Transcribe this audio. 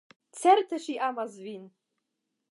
Certe ŝi amas vin!